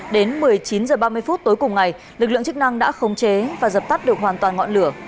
đến một mươi chín h ba mươi phút tối cùng ngày lực lượng chức năng đã khống chế và dập tắt được hoàn toàn ngọn lửa